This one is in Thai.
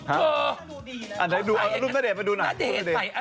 เอารูปนาเดตไปดูหน่อย